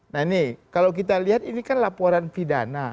nah ini kalau kita lihat ini kan laporan pidana